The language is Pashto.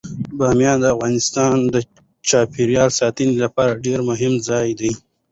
بامیان د افغانستان د چاپیریال ساتنې لپاره ډیر مهم ځای دی.